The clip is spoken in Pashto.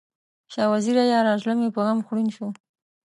شاه وزیره یاره، زړه مې په غم خوړین شو